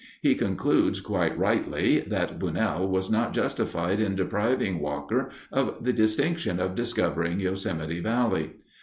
He concludes quite rightly that Bunnell was not justified in depriving Walker of the distinction of discovering Yosemite Valley.